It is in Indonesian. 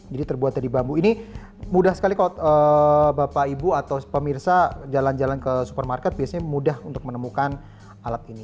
jadi terbuat dari bambu ini mudah sekali kalau bapak ibu atau pemirsa jalan jalan ke supermarket biasanya mudah untuk menemukan alat ini